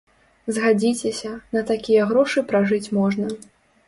Згадзіцеся, на такія грошы пражыць можна.